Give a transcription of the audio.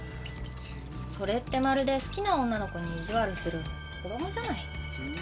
それってまるで好きな女の子に意地悪する子供じゃない。